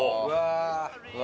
うわ！